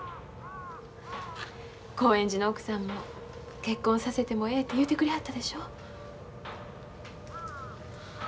興園寺の奥さんも結婚させてもええて言うてくれはったでしょう。